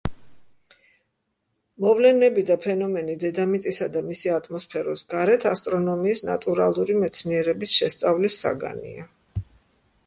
მოვლენები და ფენომენი დედამიწისა და მისი ატმოსფეროს გარეთ ასტრონომიის ნატურალური მეცნიერების შესწავლის საგანია.